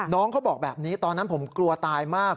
น้องเขาบอกแบบนี้ตอนนั้นผมกลัวตายมาก